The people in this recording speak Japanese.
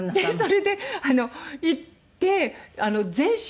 それで行って全身